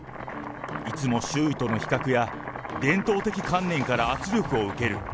いつも周囲との比較や伝統的観念から圧力を受ける。